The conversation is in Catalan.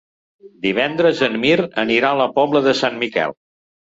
Divendres en Mirt anirà a la Pobla de Sant Miquel.